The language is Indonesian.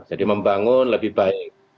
jadi membangun lebih baik